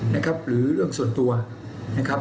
นะครับหรือเรื่องส่วนตัวนะครับ